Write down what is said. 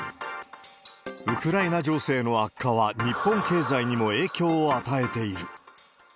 ウクライナ情勢の悪化は日本経済にも影響を与えている。